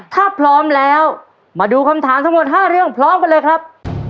ถ้าพร้อมแล้วมาดูคำถามทั้งหมด๕เรื่องพร้อมกันเลยครับ